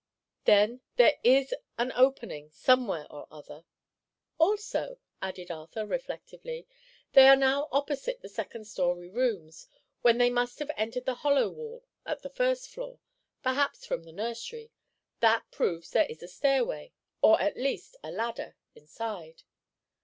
Then there is an opening, somewhere or other." "Also," added Arthur, reflectively, "they are now opposite the second story rooms, when they must have entered the hollow wall at the first floor—perhaps from the nursery. That proves there is a stairway, or at least a ladder, inside."